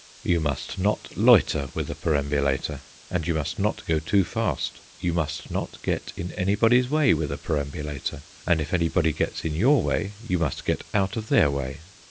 You must not loiter with a perambulator, and you must not go too fast. You must not get in anybody's way with a perambulator, and if anybody gets in your way you must get out of their way.